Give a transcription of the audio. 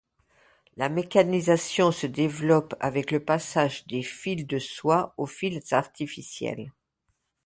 La mécanisation se développe avec le passage des fils de soie aux fils artificiels.